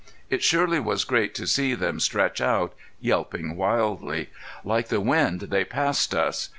It surely was great to see them stretch out, yelping wildly. Like the wind they passed us.